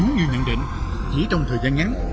bốn nhận định chỉ trong thời gian ngắn